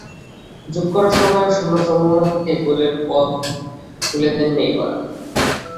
যোগ করা সময়ে শূন্য সম্ভাবনা থেকে গোলের পথ খুলে দেন নেইমার।